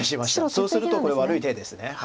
そうするとこれ悪い手です。